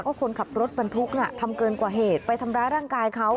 คนขับรถบรรทุกน่ะทำเกินกว่าเหตุไปทำร้ายร่างกายเขา